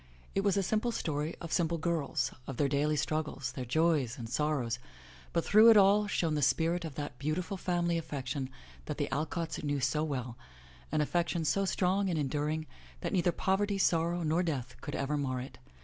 It was a simple story of simple girls, of their daily struggles, their joys and sorrows, but through it all shone the spirit of that beautiful family affection that the Alcotts knew so well, an affection so strong and enduring that neither pov erty, sorrow, nor death could ever mar it.